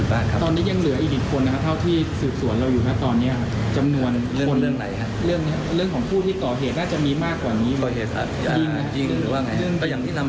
ทีนี้ตอนนี้เรายังไม่ได้การตรวจ